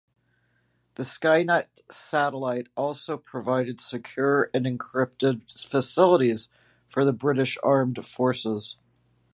The Skynet satellite also provided secure and encrypted facilities for the British armed forces.